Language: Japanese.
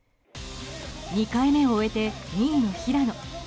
２回目を終えて２位の平野。